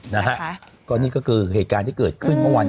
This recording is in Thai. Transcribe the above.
นะฮะก็นี่ก็คือเหตุการณ์ที่เกิดขึ้นเมื่อวาน